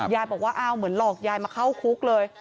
ยายบอกว่าอ้าวเหมือนหลอกยายมาเข้าคุกเลย